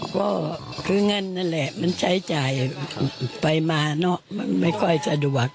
ก็คือเงินนั่นแหละมันใช้จ่ายไปมาเนอะมันไม่ค่อยสะดวก